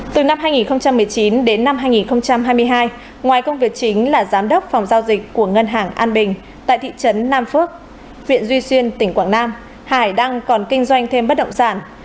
từ năm hai nghìn một mươi chín đến năm hai nghìn hai mươi hai ngoài công việc chính là giám đốc phòng giao dịch của ngân hàng an bình tại thị trấn nam phước viện duy xuyên tỉnh quảng nam hải đăng còn kinh doanh thêm bất động sản